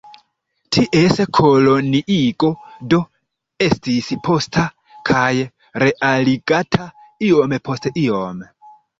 Ties koloniigo, do, estis posta kaj realigata iom post iom.